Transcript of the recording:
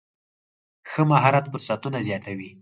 ښه مهارت فرصتونه زیاتوي.